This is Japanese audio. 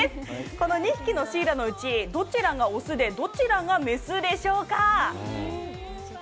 この２匹のシイラのうちどちらがオスでどちらがメスでしょうか？